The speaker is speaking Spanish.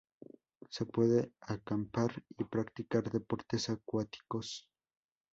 Se puede acampar y practicar deportes acuáticos.